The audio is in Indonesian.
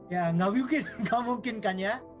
ya nggak mungkin kan ya